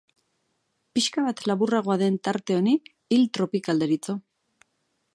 Pixka bat laburragoa den tarte honi hil tropikal deritzo.